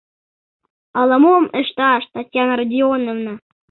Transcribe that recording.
— Ала-мом ышташ, Татьяна Родионовна...